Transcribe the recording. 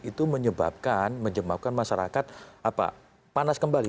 itu menyebabkan masyarakat panas kembali